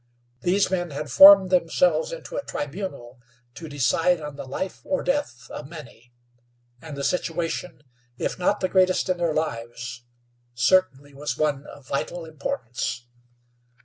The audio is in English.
These men had formed themselves into a tribunal to decide on the life or death of many, and the situation, if not the greatest in their lives, certainly was one of vital importance.